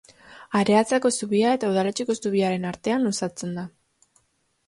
Areatzako zubia eta Udaletxeko zubiaren artean luzatzen da.